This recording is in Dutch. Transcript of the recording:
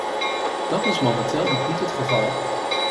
Dat is momenteel nog niet het geval.